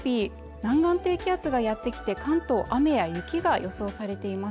南岸低気圧がやってきて関東雨や雪が予想されています